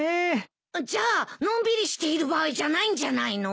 じゃあのんびりしている場合じゃないんじゃないの？